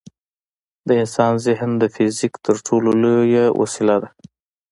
د انسان ذهن د فزیک تر ټولو لوی وسیله ده.